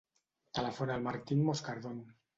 Telefona al Martín Moscardo.